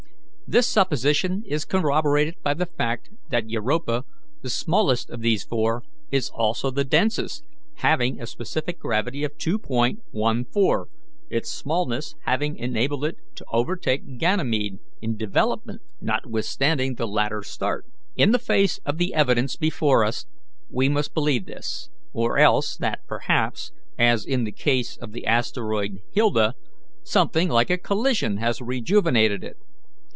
This supposition is corroborated by the fact that Europa, the smallest of these four, is also the densest, having a specific gravity of 2.14, its smallness having enabled it to overtake Ganymede in development, notwithstanding the latter's start. In the face of the evidence before us we must believe this, or else that, perhaps, as in the case of the asteroid Hilda, something like a collision has rejuvenated it.